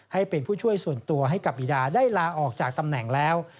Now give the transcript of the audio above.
ให้เป็นผู้ช่วยส่วนตัวให้กับบีดาได้ลาออกจากตำแหน่งแล้ว